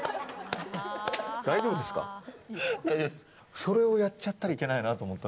それをやっちゃったらいけないなと。